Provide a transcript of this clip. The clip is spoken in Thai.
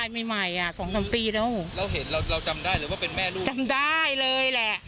จำได้แล้วแหละ